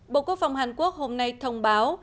bộ quốc phòng hàn quốc hôm nay thông báo